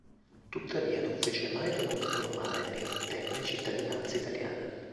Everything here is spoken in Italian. Tuttavia non fece mai domanda formale né ottenne cittadinanza italiana.